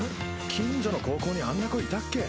近所の高校にあんな子いたっけ？